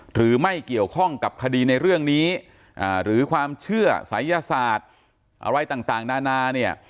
หรือไม่เกี่ยวข้องกับคดีในเรื่องนี้หรือความเชื่อศัยยศาสตร์อะไรต่างนานาเนี่ย